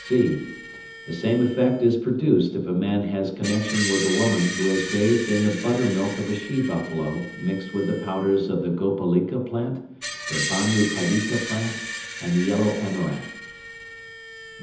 (c). The same effect is produced if a man has connection with a woman who has bathed in the butter milk of a she buffalo mixed with the powders of the gopalika plant, the banu padika plant, and the yellow amaranth.